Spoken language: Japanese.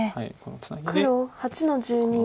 黒８の十二ツギ。